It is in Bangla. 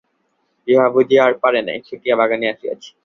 বিভা বুঝি আর পারে নাই, ছুটিয়া বাগানে আসিয়াছে।